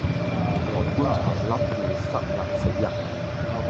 抬棺材甩褲失禮死人